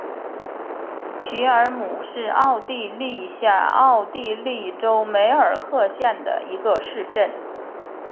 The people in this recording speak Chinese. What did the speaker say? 许尔姆是奥地利下奥地利州梅尔克县的一个市镇。